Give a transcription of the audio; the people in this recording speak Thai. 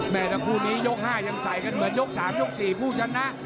ทั้งคู่นี้ยก๕ยังใส่กันเหมือนยก๓ยก๔ผู้ชนะ